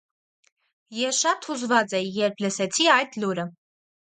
Ես շատ հուզված էի, երբ լսեցի այդ լուրը։